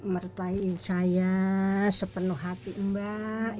mertain saya sepenuh hati mbak